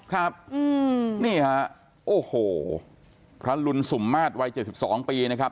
ครับนี่ฮะโอ้โหพระลุนสุมมาตรวัย๗๒ปีนะครับ